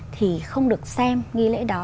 thì không được xem nghi lễ đó